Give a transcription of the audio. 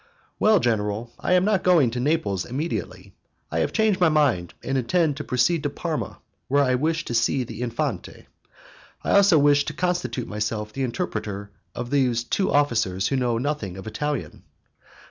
"Well, general, I am not going to Naples immediately; I have changed my mind and intend to proceed to Parma, where I wish to see the Infante. I also wish to constitute myself the interpreter of these two officers who know nothing of Italian."